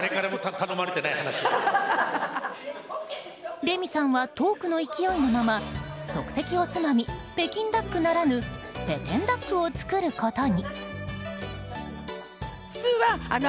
レミさんはトークの勢いのまま即席おつまみ北京ダックならぬペテンダックを作ることに。